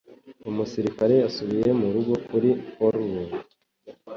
Umusirikare yasubiye murugo kuri furlough.